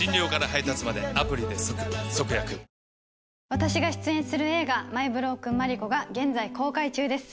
私が出演する映画、マイ・ブロークン・マリコが、現在、公開中です。